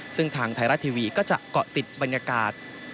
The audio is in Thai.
ซึ่งทางไทยรัฐทีวีก็จะเกาะติดบรรยากาศ